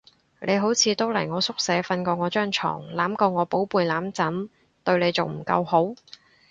你好似都嚟我宿舍瞓過我張床，攬過我寶貝攬枕，對你仲唔夠好？